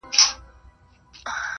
خپل هدفونه لوړ وساتئ’